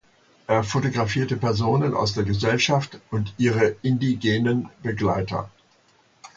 Er fotografierte Personen aus der Gesellschaft und ihre Indigenen Begleiter.